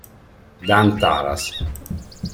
Dan Taras